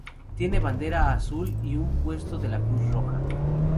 Tiene bandera azul y un puesto de la Cruz Roja.